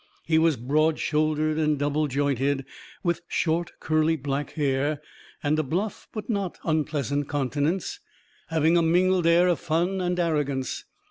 He was broad shouldered and double jointed, with short curly black hair, and a bluff, but not unpleasant countenance, having a mingled air of fun and arrogance.